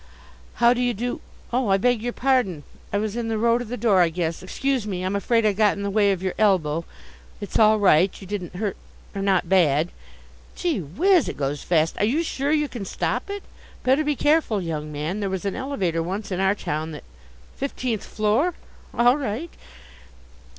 How do you do Oh, I beg your pardon. I was in the road of the door, I guess. Excuse me, I'm afraid I got in the way of your elbow. It's all right, you didn't hurt or, not bad. Gee whiz! It goes fast. Are you sure you can stop it? Better be careful, young man. There was an elevator once in our town that fifteenth floor? All right.